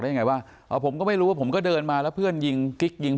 ยังไงว่าผมก็ไม่รู้ว่าผมก็เดินมาแล้วเพื่อนยิงกิ๊กยิง